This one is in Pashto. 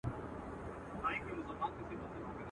مه مو شمېره پیره په نوبت کي د رندانو.